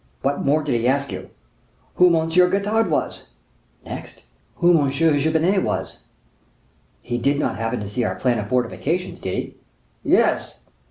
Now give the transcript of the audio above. What more did he ask you?" "Who M. Getard was." "Next?" "Who M. Jupenet was." "He did not happen to see our plan of fortifications, did he?" "Yes."